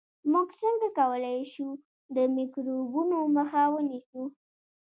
موږ څنګه کولای شو د میکروبونو مخه ونیسو